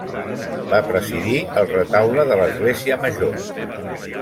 Va presidir el retaule de l'església Major.